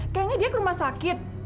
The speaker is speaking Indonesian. kayaknya dia ke rumah sakit